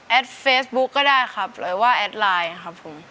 เฟซบุ๊คก็ได้ครับหรือว่าแอดไลน์ครับผม